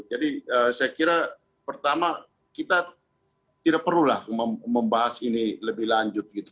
jadi saya kira pertama kita tidak perlulah membahas ini lebih lanjut gitu